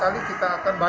hal ini adalah satu hal